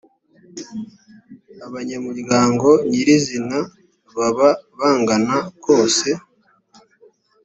abanyamuryango nyirizina baba bangana kose